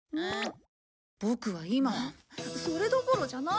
ボクは今それどころじゃないんだ。